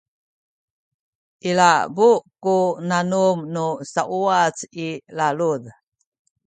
ilabu ku nanum nu sauwac i lalud